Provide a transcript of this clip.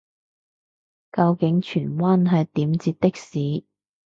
究竟荃灣係點截的士